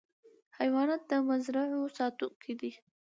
حیوانات د مزرعو ساتونکي دي.